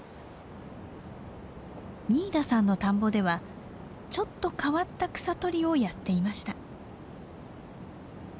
仁井田さんの田んぼではちょっと変わった草取りをやっていました。